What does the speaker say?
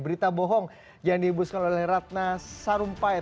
berita bohong yang diimbuskan oleh ratna sarumpai